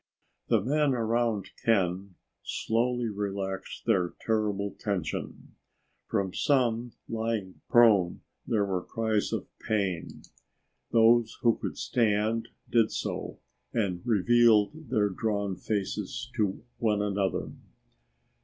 The men around Ken slowly relaxed their terrible tension. From some lying prone there were cries of pain. Those who could stand did so and revealed their drawn faces to one another.